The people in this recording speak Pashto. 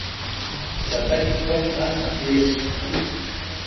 په شاتګ کې کوم خنډ پېښ کړي.